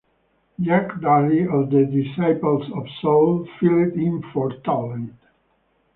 Jack Daly of the Disciples of Soul filled in for Tallent.